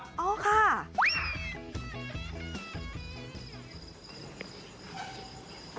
อ๋อค่ะ